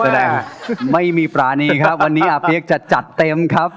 ไม่มีปรานีครับวันนี้อาเปี๊ยกจะจัดเต็มครับ